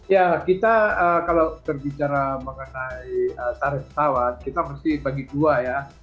ya kita kalau berbicara mengenai tarif pesawat kita mesti bagi dua ya